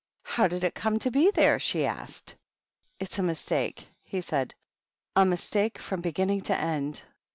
"How did it come to be there?" she asked. "It's a mistake," he said, — "a mistake from beginning to end."